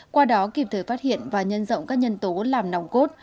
qua đó kịp thời phát hiện và nhân rộng các nhân tố làm nòng cốt